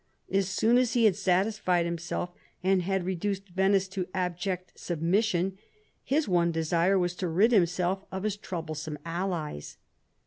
As soon as he had satisfied himself, and had reduced Venice to abject submission, his one desire was to rid himself of his troublesome allies.